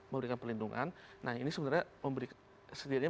memberikan pelindungan nah ini sebenarnya